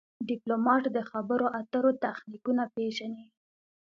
ډيپلومات د خبرو اترو تخنیکونه پېژني.